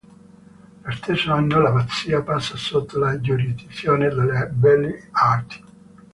Lo stesso anno l'abbazia passa sotto la giurisdizione delle Belle Arti.